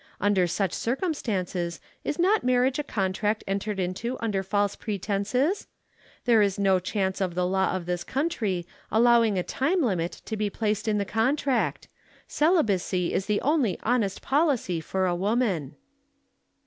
Under such circumstances is not marriage a contract entered into under false pretences? There is no chance of the law of this country allowing a time limit to be placed in the contract; celibacy is the only honest policy for a woman."